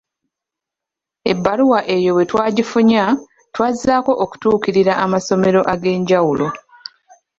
Ebbaluwa eyo bwe twagifunya, twazzaako okutuukirira amasomero ag’enjawulo.